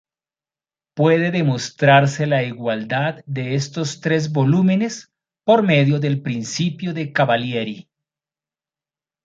Puede demostrarse la igualdad de esos tres volúmenes por medio del principio de Cavalieri.